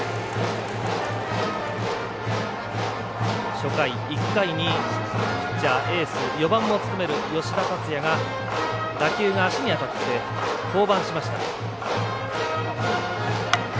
初回、１回にピッチャー、エース４番も務める吉田達也が打球が足に当たって降板しました。